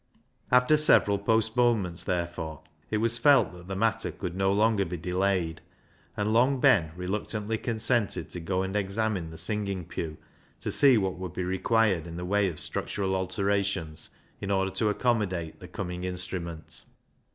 After several postponements, therefore, it was felt that the matter could no longer be delayed, and Long Ben reluctantly consented to go and examine the singing pew to see what would be required in the way of structural alterations in order to accommodate the coming instrument.